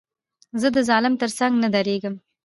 زه د ظالم تر څنګ نه درېږم.